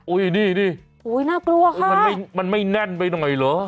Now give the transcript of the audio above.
อุ้ยนี่นี่อุ้ยน่ากลัวค่ะมันไม่มันไม่แน่นไปหน่อยเหรอ